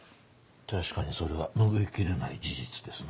確かにそれは拭い切れない事実ですな。